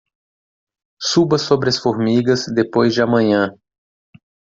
Suba sobre as formigas depois de amanhã